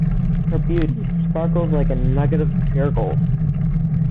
Her beauty sparkles like a nugget of pure gold.